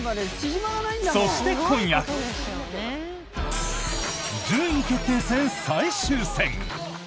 そして今夜、順位決定戦最終戦！